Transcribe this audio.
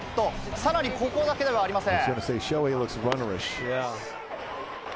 さらに、ここだけではありません。